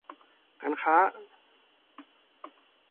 การค้า